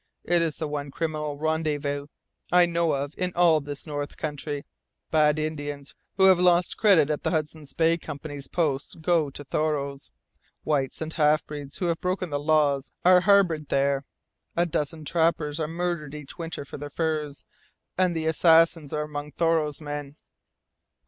It's the one criminal rendezvous I know of in all this North country. Bad Indians who have lost credit at the Hudson's Bay Company's posts go to Thoreau's. Whites and half breeds who have broken the laws are harboured there. A dozen trappers are murdered each winter for their furs, and the assassins are among Thoreau's men.